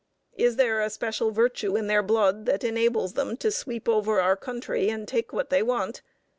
Is there a special virtue in their blood that enables them to sweep over our country and take what they want?